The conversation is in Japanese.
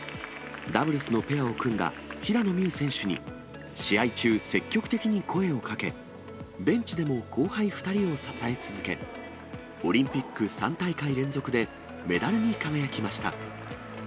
ダブルスのペアを組んだ平野美宇選手に、試合中、積極的に声をかけ、ベンチでも後輩２人を支え続け、オリンピック３大会連続でメダルに輝きました。